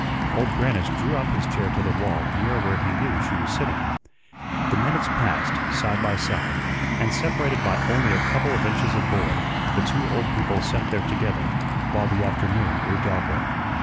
Old Grannis drew up his chair to the wall near where he knew she was sitting. The minutes passed; side by side, and separated by only a couple of inches of board, the two old people sat there together, while the afternoon grew darker.